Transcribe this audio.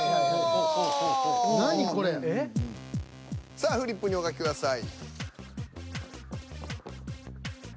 さあフリップにお書きください。